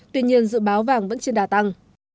tuy nhiên dự báo vàng vẫn chưa đà tăng